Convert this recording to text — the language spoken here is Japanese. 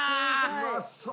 うまそう！